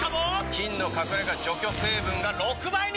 菌の隠れ家除去成分が６倍に！